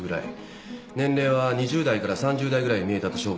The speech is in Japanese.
年齢は２０代から３０代ぐらいに見えたと証言してます。